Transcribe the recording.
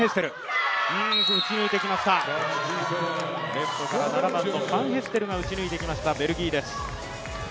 レフトから７番のファンヘステルが打ち抜いてきましたベルギーです。